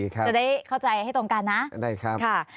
จะได้เข้าใจให้ตรงกันนะได้ครับ